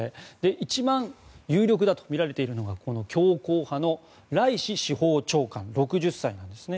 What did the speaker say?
一番有力だとみられているのがこの強硬派のライシ司法長官６０歳なんです。